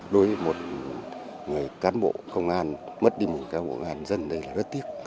đối với một cán bộ công an mất đi một cán bộ công an dân đây là rất tiếc